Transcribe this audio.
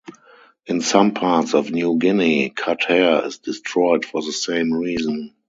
In some parts of New Guinea cut hair is destroyed for the same reason.